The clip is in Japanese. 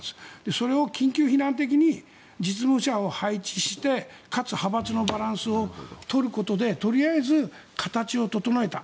それを緊急避難的に実務者を配置してかつ派閥のバランスを取ることでとりあえず形を整えた。